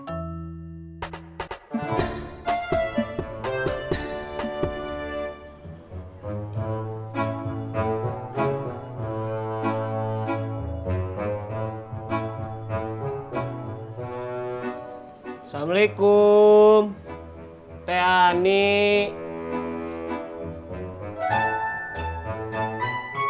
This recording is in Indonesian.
assalamualaikum teh ani